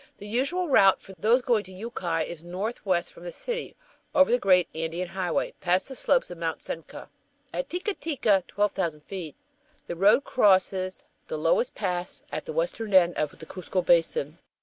The usual route for those going to Yucay is northwest from the city, over the great Andean highway, past the slopes of Mt. Sencca. At Ttica Ttica (12,000 ft.) the road crosses the lowest pass at the western end of the Cuzco Basin.